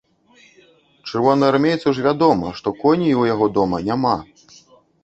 Чырвонаармейцу ж вядома, што коней у яго дома няма!